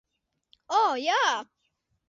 O, jā!